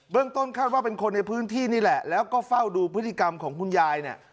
ต้นคาดว่าเป็นคนในพื้นที่นี่แหละแล้วก็เฝ้าดูพฤติกรรมของคุณยายเนี่ย